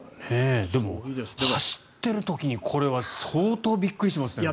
でも、走っている時にこれは相当びっくりしますね。